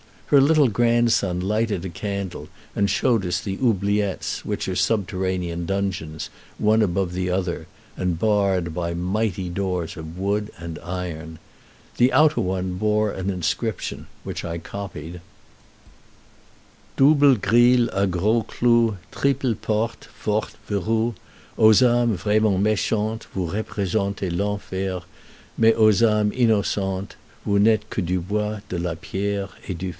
Her little grandson lighted a candle and showed us the oubliettes, which are subterranean dungeons, one above the other, and barred by mighty doors of wood and iron. The outer one bore an inscription, which I copied: "Doubles grilles a gros cloux, Triples portes, fortes Verroux, Aux âmes vraiment méchantes Vous représentez l'Enfer; Mais aux âmes innocentes Vous n'êtes que du bois, de la pierre, & du fer!"